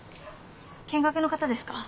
見学の方ですか？